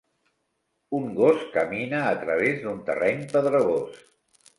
Un gos camina a través d'un terreny pedregós.